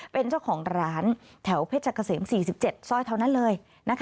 เป็นเจ้าของร้านแถวเพชรเกษม๔๗ซอยเท่านั้นเลย